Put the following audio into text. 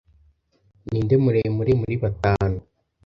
Ninde muremure muri batanu?